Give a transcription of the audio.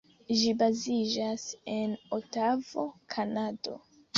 Ĝi baziĝas en Otavo, Kanado.